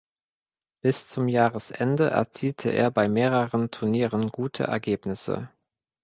Bis zum Jahresende erzielte er bei mehreren Turnieren gute Ergebnisse.